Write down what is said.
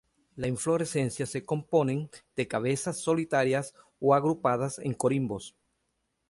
Las inflorescencias se componen de cabezas solitarias o agrupadas en corimbos.